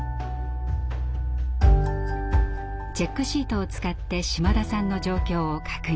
チェックシートを使って島田さんの状況を確認。